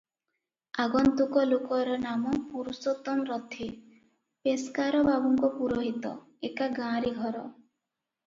ଆଗନ୍ତୁକ ଲୋକର ନାମ ପୁରୁଷୋତ୍ତମ ରଥେ, ପେସ୍କାର ବାବୁଙ୍କ ପୁରୋହିତ, ଏକା ଗାଁରେ ଘର ।